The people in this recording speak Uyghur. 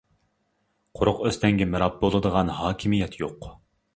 قۇرۇق ئۆستەڭگە مىراب بولىدىغان ھاكىمىيەت يوق!